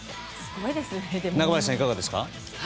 中林さん、いかがですか？